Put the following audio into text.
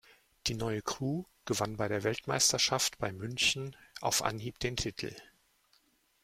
Die neue Crew gewann bei der Weltmeisterschaft bei München auf Anhieb den Titel.